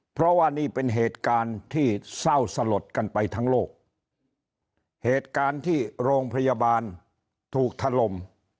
เพราะว่านี่เป็นเหตุการณ์ที่เศร้าสลดกันไปทั้งโลกเหตุการณ์ที่โรงพยาบาลถูกถล่ม